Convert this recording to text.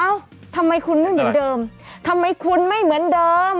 ทำไมคุณไม่เหมือนเดิมทำไมคุณไม่เหมือนเดิม